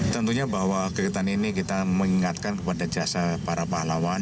tentunya bahwa kegiatan ini kita mengingatkan kepada jasa para pahlawan